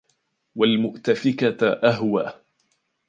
وَالْمُؤْتَفِكَةَ أَهْوَى